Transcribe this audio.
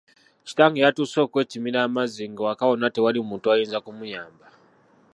Kitange yatuuse okwekimira amazzi ng'ewaka wonna tewali muntu ayinza kumuyamba.